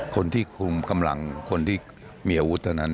คนที่คุมกำลังคนที่มีอาวุธเท่านั้น